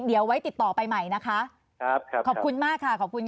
เดี๋ยวไว้ติดต่อไปใหม่นะคะครับขอบคุณมากค่ะขอบคุณค่ะ